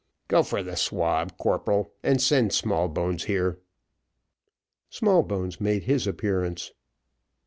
"Go for the swab, corporal, and send Smallbones here." Smallbones made his appearance.